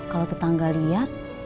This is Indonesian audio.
kalau tetangga lihat